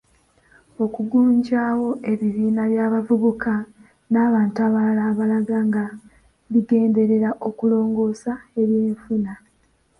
Okugunjawo ebibiina by'abavubuka n'abantu abalala abaagala nga bigenderera okulongoosa eby'enfuna.